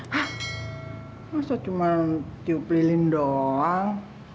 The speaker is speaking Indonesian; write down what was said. masa cuma tiup lilin doang